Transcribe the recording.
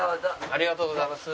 ありがとうございます。